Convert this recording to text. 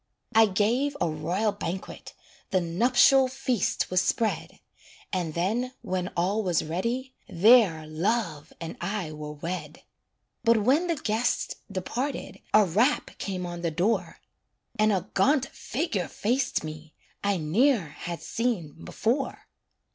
I gave a royal banquet, The nuptial feast was spread, And then, when all was ready, There Love and I were wed. But when the guests departed, A rap came on the door, And a gaunt figure faced me I ne'er had seen before.